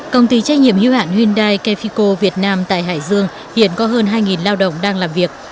công ty trách nhiệm hữu hạn hyundai kefiko việt nam tại hải dương hiện có hơn hai lao động đang làm việc